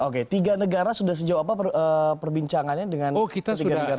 oke tiga negara sudah sejauh apa perbincangannya dengan negara negara lain